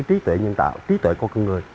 trí tuệ nhân tạo trí tuệ của con người